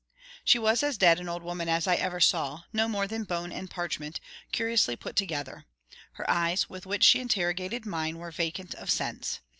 She was as dead an old woman as ever I saw; no more than bone and parchment, curiously put together. Her eyes, with which she interrogated mine, were vacant of sense.